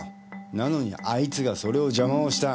なのにあいつがそれを邪魔をした。